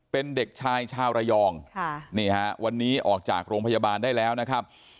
เป็นเด็กชายชาวระยองค่ะนี่ฮะวันนี้ออกจากโรงพยาบาลได้แล้วนะครับ